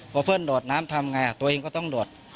พอเพื่อนโดดน้ำทำไงตัวเองก็ต้องโดด